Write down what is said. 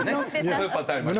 そういうパターンがある。